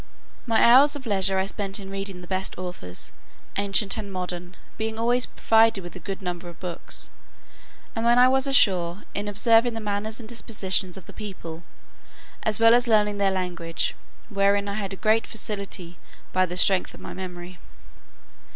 My hours of leisure I spent in reading the best authors, ancient and modern, being always provided with a good number of books; and when I was ashore, in observing the manners and dispositions of the people, as well as learning their language; wherein I had a great facility, by the strength of my memory.